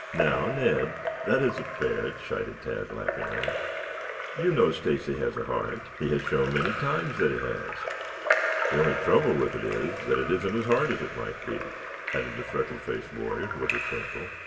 "Now, Ned, that isn't fair," chided Tad laughingly. "You know Stacy has a heart. He has shown many times that he has. The only trouble with it is that it isn't as hard as it might be," added the freckle faced boy with a twinkle.